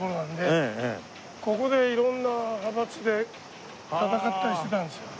ここで色んな派閥で闘ったりしてたんですよ。